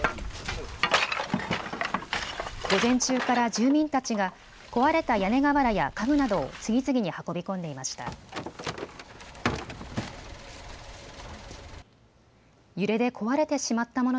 午前中から住民たちが壊れた屋根瓦や家具などを次々に運び込んでいました。